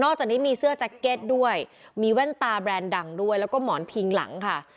จากนี้มีเสื้อแจ็คเก็ตด้วยมีแว่นตาแบรนด์ดังด้วยแล้วก็หมอนพิงหลังค่ะ